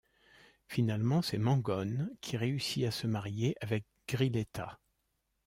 Finalement c'est Mengone qui réussit à se marier avec Grilletta.